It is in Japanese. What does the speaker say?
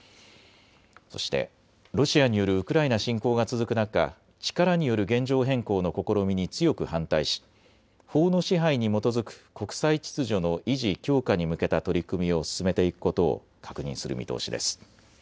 そしてロシアによるウクライナ侵攻が続く中、力による現状変更の試みに強く反対し法の支配に基づく国際秩序の維持・強化に向けた取り組みを進めていくことを確認する見通しです。